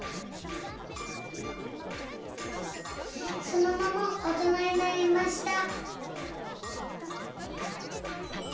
そのままおとなになりました。